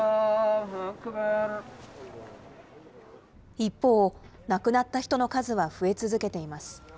一方、亡くなった人の数は増え続けています。